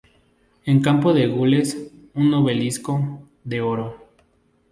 En campo de gules, un obelisco, de oro.